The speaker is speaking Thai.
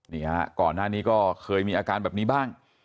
นี่ฮะก่อนหน้านี้ก็เคยมีอาการแบบนี้บ้าง